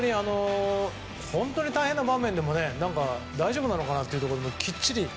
本当に大変な場面でも大丈夫なのかなというところにきっちり。